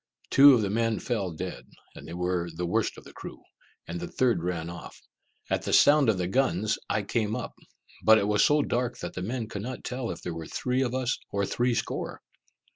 Two of the men fell dead, and they were the worst of the crew, and the third ran off. At the sound of the guns I came up, but it was so dark that the men could not tell if there were three of us or three score.